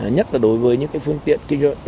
nhất là đối với những phương tiện